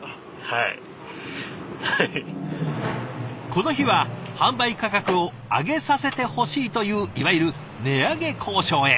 この日は販売価格を上げさせてほしいといういわゆる値上げ交渉へ。